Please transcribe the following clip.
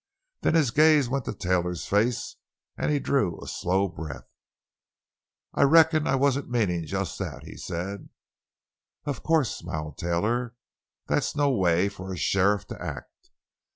Then his gaze went to Taylor's face, and he drew a slow breath. "I reckon I wasn't meanin' just that," he said. "Of course," smiled Taylor; "that's no way for a sheriff to act.